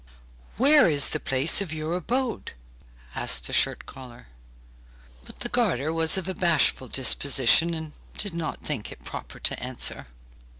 'Where is the place of your abode?' asked the shirt collar. But the garter was of a bashful disposition, and did not think it proper to answer.